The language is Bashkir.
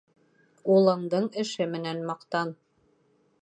Улыңдың эше менән маҡтан.